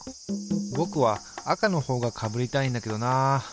ぼくは赤のほうがかぶりたいんだけどな。